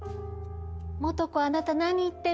素子あなた何言ってるの？